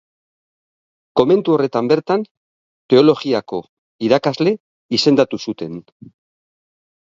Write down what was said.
Komentu horretan bertan, Teologiako irakasle izendatu zuten.